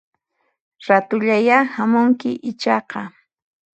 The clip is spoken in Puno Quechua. Ratullayá hamunki ichaqa